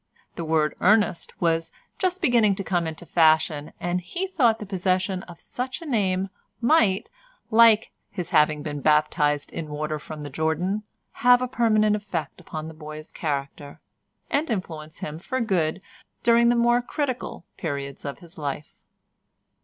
The word "earnest" was just beginning to come into fashion, and he thought the possession of such a name might, like his having been baptised in water from the Jordan, have a permanent effect upon the boy's character, and influence him for good during the more critical periods of his life.